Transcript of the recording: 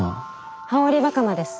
羽織袴です。